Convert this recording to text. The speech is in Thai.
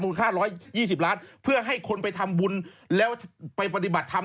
ค่า๑๒๐ล้านเพื่อให้คนไปทำบุญแล้วไปปฏิบัติธรรม